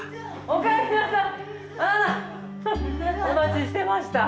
お待ちしてました。